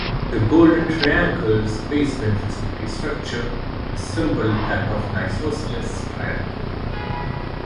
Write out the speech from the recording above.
The Golden Triangle's basement facility structure resembled that of an isosceles triangle.